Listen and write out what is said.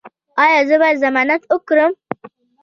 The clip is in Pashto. ایا زه باید ضمانت وکړم؟